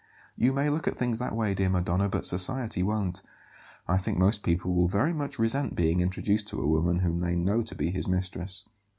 "You may look at things that way, dear Madonna, but society won't. I think most people will very much resent being introduced to a woman whom they know to be his mistress."